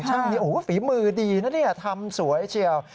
ช่างนี้ฝีมือดีนะนี่ทำสวยเชี่ยว